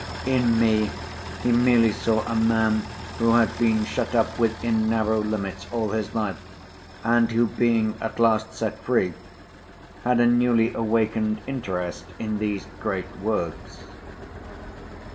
In me, he merely saw a man who had been shut up within narrow limits all his life, and who, being at last set free, had a newly awakened interest in these great works.